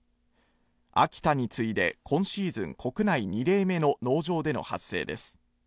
秋田に次いで今シーズン国内２例目の農場での発生です